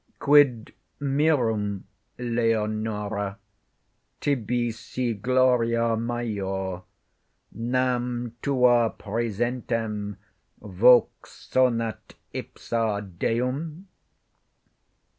Quid mirum, Leonora, tibi si gloria major, Nam tua præsentem vox sonat ipsa Deum?